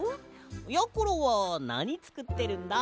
やころはなにつくってるんだ？